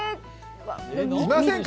いませんか？